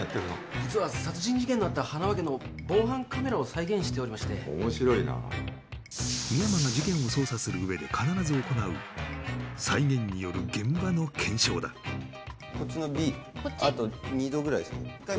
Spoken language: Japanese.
実は殺人事件のあった塙家の防犯カメラを再現しておりまして面白いな深山が事件を捜査するうえで必ず行う再現による現場の検証だこっちのＢあと２度ぐらいこっち？